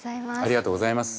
ありがとうございます。